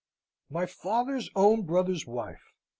"My father's own brother's wife!